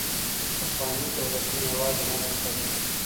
پخواني دولتونه یوازي د نظم ساتونکي وو.